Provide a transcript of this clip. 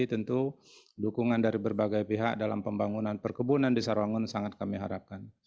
tentu dukungan dari berbagai pihak dalam pembangunan perkebunan di sarawangun sangat kami harapkan